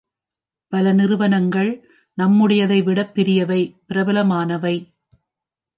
பல நிறுவனங்கள் நம்முடையதைவிட பெரியவை பிரபலமானவை.